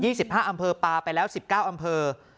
๒๕อำเภอปลาไปแล้ว๑๙อำเภอ